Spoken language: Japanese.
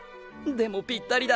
でもぴったりだ。